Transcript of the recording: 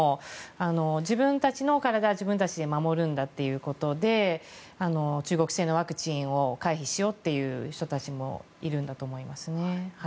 自分たちの体は自分たちで守るんだということで中国製のワクチンを回避しようという人たちもいるんだと思いますね。